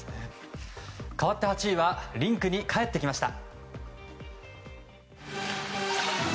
かわって８位はリンクに帰ってきました。